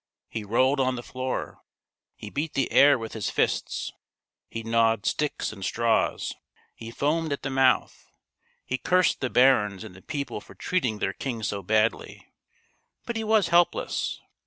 He rolled on the floor ; he beat the air with his fists ; he gnawed sticks and straws ; he foamed at the mouth ; he cursed the barons and the people for treating their king so badly. But he was helpless.